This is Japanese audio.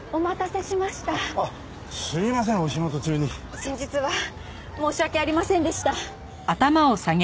先日は申し訳ありませんでした！